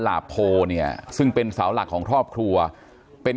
ข้าพเจ้านางสาวสุภัณฑ์หลาโภ